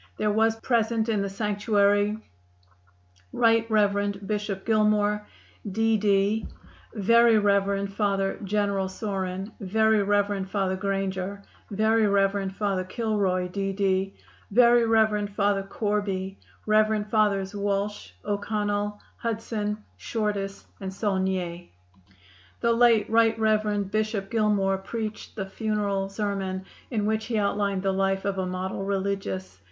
There were present in the sanctuary: Rt. Rev. Bishop Gilmour, D. D.; Very Rev. Father General Sorin, Very Rev. Father Granger, Very Rev. Father Kilroy, D. D.; Very Rev. Father Corby; Rev. Fathers Walsh, O'Connell, Hudson, Shortis and Saulnier. The late Rt. Rev. Bishop Gilmour preached the funeral sermon, in which he outlined the life of a model religious.